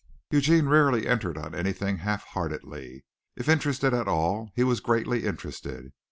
Eugene rarely entered on anything half heartedly. If interested at all he was greatly interested.